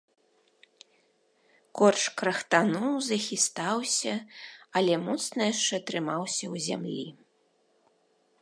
Корч крахтануў, захістаўся, але моцна яшчэ трымаўся ў зямлі.